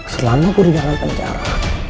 selalu gue di dalam penjara